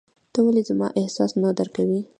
ته ولي زما احساس نه درکوې !